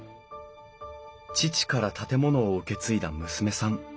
父から建物を受け継いだ娘さん。